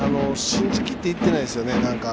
信じきっていってないですよね。